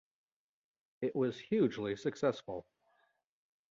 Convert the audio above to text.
It was hugely successful.